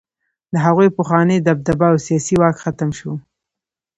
د هغوی پخوانۍ دبدبه او سیاسي واک ختم شو.